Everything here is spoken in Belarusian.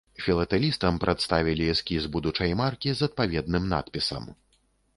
Філатэлістам прадставілі эскіз будучай маркі з адпаведным надпісам.